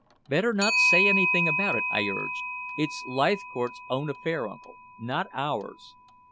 "Better not say anything about it," I urged. "It's Leithcourt's own affair, uncle not ours."